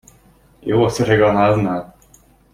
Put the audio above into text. Jó az öreg a háznál.